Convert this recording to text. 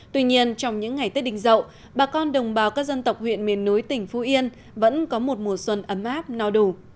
tuy nhiên trong những ngày tết đình dậu bà con đồng bào các dân tộc huyện miền núi tỉnh phú yên vẫn có một mùa xuân ấm áp no đủ